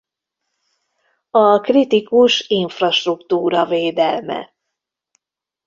A kritikus infrastruktúra védelme.